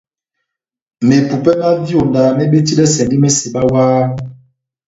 Mepupè myá vyonda mebetidɛsɛndi meseba wah.